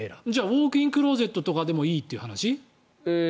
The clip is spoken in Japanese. ウォークインクローゼットとかでもいいという話？